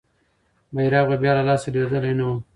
بیرغ به بیا له لاسه لوېدلی نه وو.